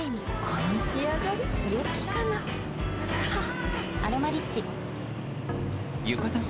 この仕上がりよきかなははっ